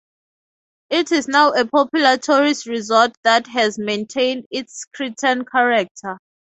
It is now a popular tourist resort that has maintained its Cretan character.